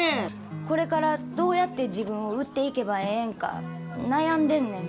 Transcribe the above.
これからどうやって自分を売っていけばええんか悩んでんねん。